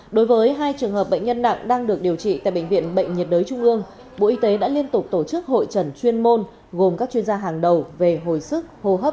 đối với hai trường hợp bệnh nhân nặng đang được điều trị tại bệnh viện bệnh nhiệt đới trung ương bộ y tế đã liên tục tổ chức hội trần chuyên môn gồm các chuyên gia hàng đầu về hồi sức hô hấp